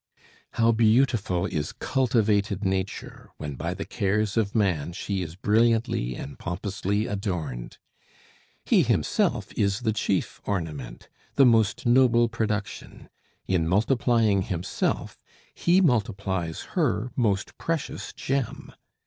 How beautiful is cultivated Nature when by the cares of man she is brilliantly and pompously adorned! He himself is the chief ornament, the most noble production; in multiplying himself he multiplies her most precious gem.